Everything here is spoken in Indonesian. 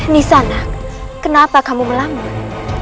nisana kenapa kamu melambung